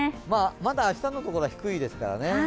まだ明日のところは低いですからね。